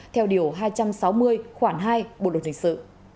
theo điều hai trăm sáu mươi khoản hai bộ đồng hình sự